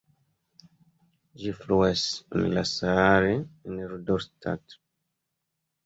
Ĝi fluas en la Saale en Rudolstadt.